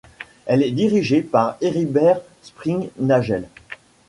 Elle est dirigée par Heribert Springnagel.